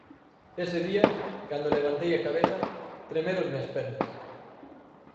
Ese día, cando levantei a cabeza, treméronme as pernas.